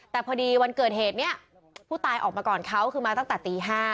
แต่พอดีวันเกิดเหตุนี้ผู้ตายออกมาก่อนเขาคือมาตั้งแต่ตี๕